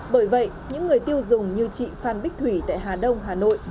bởi vậy những người tiêu dùng như chị phan bích thủy tại hà đông hà nội